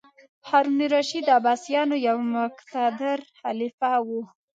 هارون الرشید د عباسیانو یو مقتدر خلیفه و.